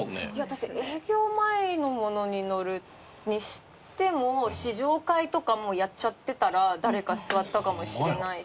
だって営業前のものに乗るにしても試乗会とかもうやっちゃってたら誰か座ったかもしれないし。